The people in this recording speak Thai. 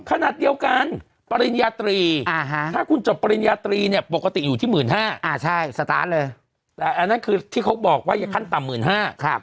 ขนาดเดียวกันปริญญาตรีถ้าคุณจบปริญญาตรีเนี่ยปกติอยู่ที่๑๕๐๐สตาร์ทเลยแต่อันนั้นคือที่เขาบอกว่าอย่าขั้นต่ำ๑๕๐๐บาท